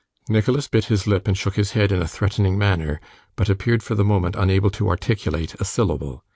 Nicholas bit his lip and shook his head in a threatening manner, but appeared for the moment unable to articulate a syllable.